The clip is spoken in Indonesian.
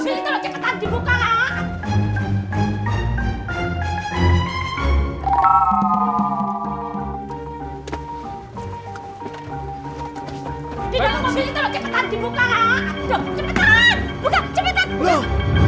cepetan buka cepetan